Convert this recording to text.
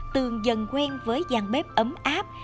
tường dần quen với giang bếp ấm áp